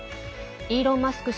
イーロン・マスク